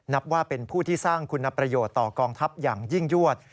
นับว่าเป็นผู้ที่สร้างคุณประโยชน์ต่อกองทัพอย่างยิ่งยวด